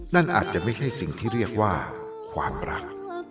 นั่นอาจจะไม่ใช่สิ่งที่เรียกว่าความรัก